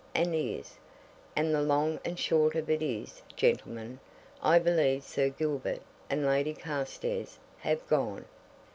And ears. And the long and short of it is, gentlemen, I believe Sir Gilbert and Lady Carstairs have gone!"